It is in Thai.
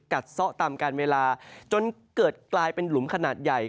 ซ่อตามการเวลาจนเกิดกลายเป็นหลุมขนาดใหญ่